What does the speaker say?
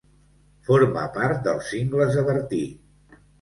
Forma part dels Cingles de Bertí.